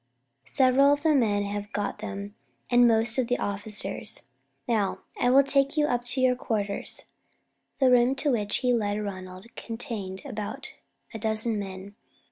Several of the men have got them, and most of the officers. Now, I will take you up to your quarters." The room to which he led Ronald contained about a dozen men.